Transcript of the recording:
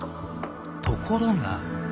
ところが。